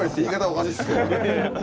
おかしいっすけどね。